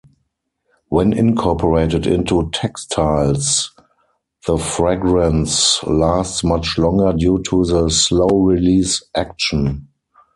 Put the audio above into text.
When incorporated into textiles the fragrance lasts much longer due to the slow-release action.